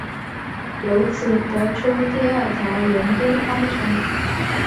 由此得出第二条伦敦方程。